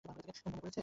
– মনে পড়ছে?